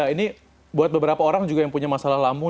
jadi buat beberapa orang juga yang punya masalah lamung